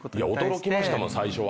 驚きましたもん最初は。